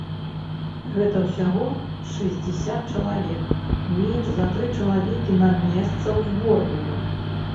Гэта ўсяго шэсцьдзесят чалавек, менш за тры чалавекі на месца ў зборную.